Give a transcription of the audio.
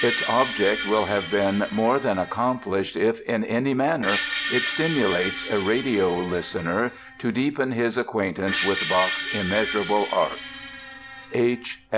Its object will have been more than accomplished if in any manner it stimulates a radio listener to deepen his acquaintance with Bach's immeasurable art. H.